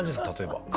例えば。